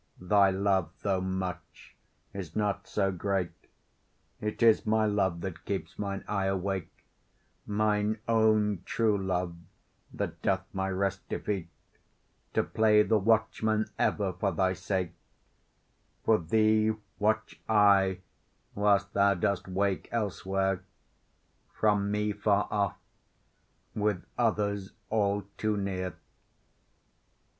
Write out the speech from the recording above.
thy love, though much, is not so great: It is my love that keeps mine eye awake: Mine own true love that doth my rest defeat, To play the watchman ever for thy sake: For thee watch I, whilst thou dost wake elsewhere, From me far off, with others all too near.